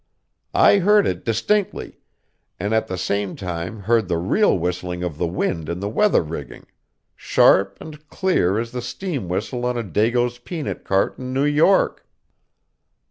I heard it distinctly, and at the same time I heard the real whistling of the wind in the weather rigging, sharp and clear as the steam whistle on a Dago's peanut cart in New York.